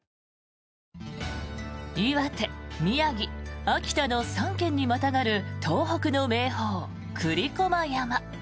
岩手、宮城、秋田の３県にまたがる東北の名峰、栗駒山。